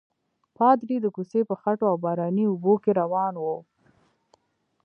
پادري د کوڅې په خټو او باراني اوبو کې روان وو.